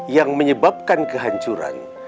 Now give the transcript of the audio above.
yang menyebabkan kehancuran